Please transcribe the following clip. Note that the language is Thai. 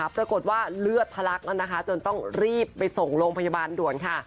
ปรากฏว่าเลือดทะลักนะคะจนต้องรีบไปส่งโรงพยาบาลด่วนค่ะ